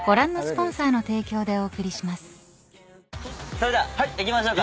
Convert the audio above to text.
それでは行きましょうか。